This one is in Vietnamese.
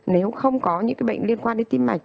nếu không có những bệnh liên quan đến tim mạch